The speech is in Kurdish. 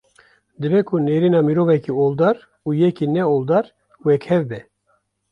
Dibe ku nêrîna mirovekî oldar û yekî ne oldar wek hev be